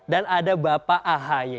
dan ada bapak ahy